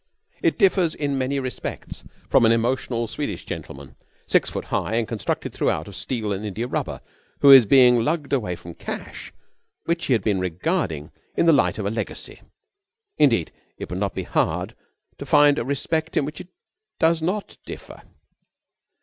It differs in many respects from an emotional Swedish gentleman, six foot high and constructed throughout of steel and india rubber, who is being lugged away from cash which he has been regarding in the light of a legacy. Indeed, it would not be hard to find a respect in which it does not differ.